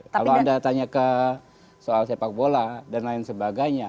kalau anda tanya ke soal sepak bola dan lain sebagainya